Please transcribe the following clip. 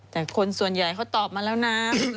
แต่คนส่วนใหญ่เขาตอบมาแล้วนะ